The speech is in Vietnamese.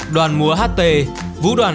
đoàn múa ht vũ đoàn